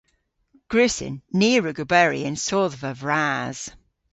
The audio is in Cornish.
Gwrussyn. Ni a wrug oberi yn sodhva vras.